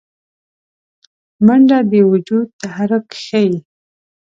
منډه د وجود تحرک ښيي